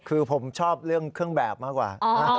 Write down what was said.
คือผมชอบเรื่องเครื่องแบบมากกว่า